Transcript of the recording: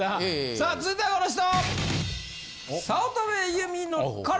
さあ続いてはこの人！